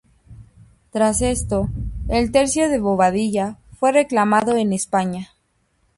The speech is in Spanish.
Tras esto, el Tercio de Bobadilla fue reclamado en España.